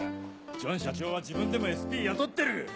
ジョン社長は自分でもＳＰ雇ってる！